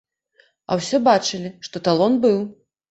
А ўсе бачылі, што талон быў!